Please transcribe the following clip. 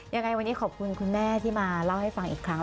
ยังไงวันนี้ขอบคุณคุณแม่ที่มาเล่าให้ฟังอีกครั้ง